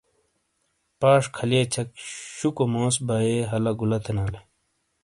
پاش کھلئے چھک شوکو موس بائے ہلہ گلہ تھینالے۔